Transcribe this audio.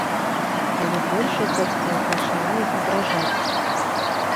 Але большасць бацькоў пачала іх абражаць.